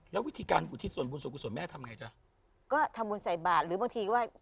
แล้ววิธีการอุทิศส่วนบุญส่วนกุศลแม่ทำไงจ๊ะก็ทำบุญใส่บาทหรือบางทีว่า